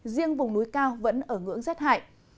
riêng vùng núi cao vẫn ở ngưỡng rét hại